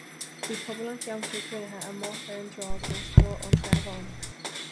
Bhí pobal an cheantair cruinnithe amuigh ar an tsráid os comhair an charbháin.